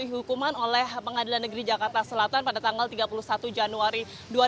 dijatuhi hukuman oleh pengadilan negeri jakarta selatan pada tanggal tiga puluh satu januari dua ribu sembilan belas